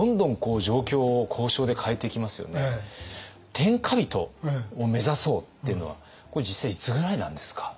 天下人を目指そうっていうのはこれ実際いつぐらいなんですか？